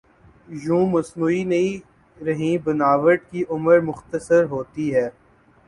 یوں مصنوعی نہیں رہیں بناوٹ کی عمر مختصر ہوتی ہے۔